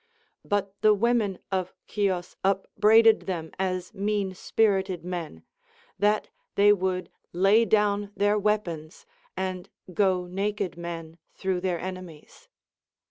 But the women of Chios up braided them as mean spirited men, that they would lay down their Aveapons and go naked men through their enemies.